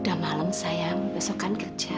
udah malam sayang besok kan kerja